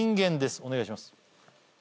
お願いします。